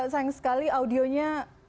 sayang sekali audionya